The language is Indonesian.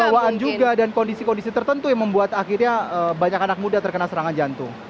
bawaan juga dan kondisi kondisi tertentu yang membuat akhirnya banyak anak muda terkena serangan jantung